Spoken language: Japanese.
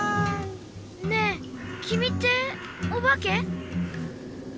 「ねえ、君っておばけ？」